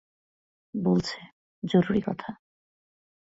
বলছে, জরুরি কথা।